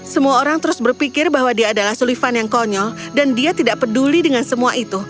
semua orang terus berpikir bahwa dia adalah sulifan yang konyol dan dia tidak peduli dengan semua itu